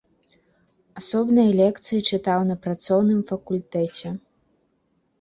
Асобныя лекцыі чытаў на працоўным факультэце.